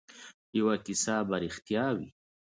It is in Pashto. یوه کیسه به ریښتیا وي.